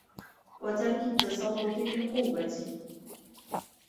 وَتَرْكِ التَّسَلُّطِ بِالْقُوَّةِ